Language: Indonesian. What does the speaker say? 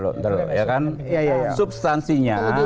kalau dia beli itu doang ya